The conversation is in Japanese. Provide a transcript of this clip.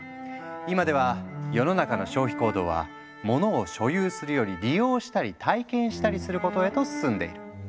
今では世の中の消費行動はモノを「所有する」より「利用したり体験したりする」ことへと進んでいる。